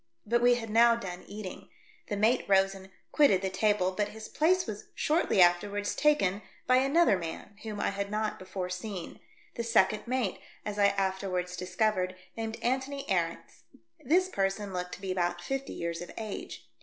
But we had now done eatlnof. The mate rose and quitted the table, but his place was shortly afterwards taken by another man whom I had not before seen, the second mate 126 THE DEATH SHIP. as I afterwards discovered, named Antony Arents. This person looked to be about fifty years of age.